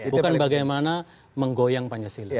bukan bagaimana menggoyang pancasila